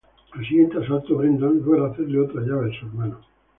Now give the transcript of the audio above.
Al siguiente asalto Brendan logra hacerle otra llave a su hermano.